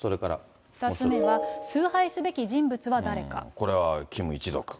２つ目は崇拝すべき人物は誰これはキム一族。